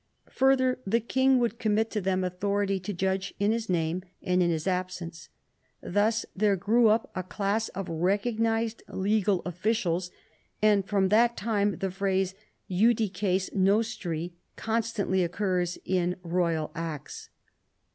Further, the king would commit to them authority to judge in his name and in his absence. Thus there grew up a class of recognised legal officials, and from that time the phrase judices nostri con stantly occurs in royal acts.